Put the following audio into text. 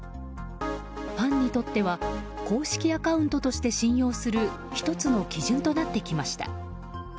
ファンにとっては公式アカウントとして信用する１つの基準となってきました。